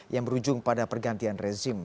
yang berujung pada pergantian rezim